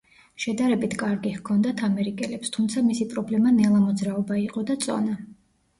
შედარებით კარგი ჰქონდათ ამერიკელებს თუმცა მისი პრობლემა ნელა მოძრაობა იყო და წონა.